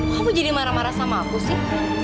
kamu jadi marah marah sama aku sih